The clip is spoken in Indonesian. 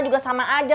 juga sama aja